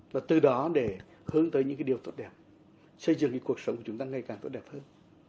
và từ đó để hướng tới những cái điều tốt đẹp xây dựng cuộc sống của chúng ta ngày càng tốt đẹp hơn